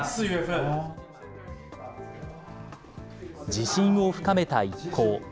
自信を深めた一行。